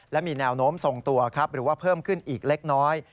และมีแนวโน้มทรงตัวครับหรือว่าเพิ่มขึ้นอีกเล็กน้อย